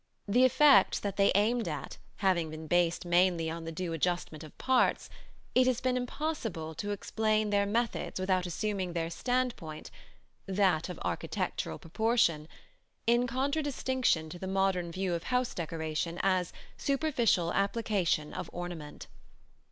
The effects that they aimed at having been based mainly on the due adjustment of parts, it has been impossible to explain their methods without assuming their standpoint that of architectural proportion in contradistinction to the modern view of house decoration as superficial application of ornament.